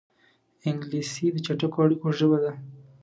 انګلیسي د چټکو اړیکو ژبه ده